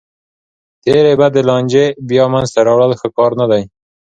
تېرې بدې لانجې بیا منځ ته راوړل ښه کار نه دی.